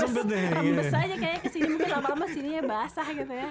rembes aja kayaknya kesini mungkin lama lama sininya basah gitu ya